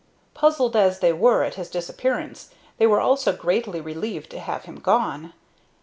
Puzzled as they were at his disappearance, they were also greatly relieved to have him gone.